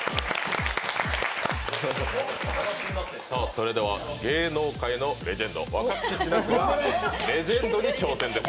それでは芸能界のレジェンド、若槻千夏がレジェンドに挑戦です。